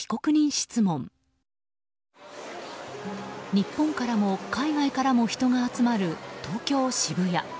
日本からも海外からも人が集まる、東京・渋谷。